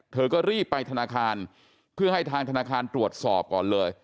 เธอก็รีบไปธนาคารเพื่อให้ทางธนาคารตรวจสอบก่อนเลย